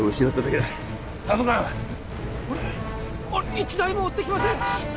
１台も追ってきません